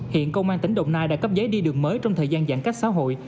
hiện công an tỉnh đồng nai đã cấp giấy đi đường mới trong thời gian giãn cách xã hội